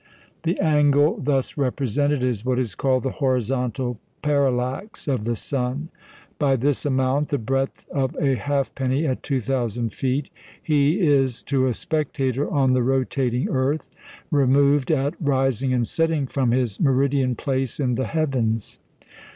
The angle thus represented is what is called the "horizontal parallax" of the sun. By this amount the breadth of a halfpenny at 2,000 feet he is, to a spectator on the rotating earth, removed at rising and setting from his meridian place in the heavens.